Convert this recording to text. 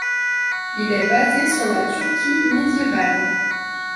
Il est basé sur la Turquie médiévale.